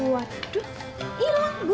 waduh hilang bu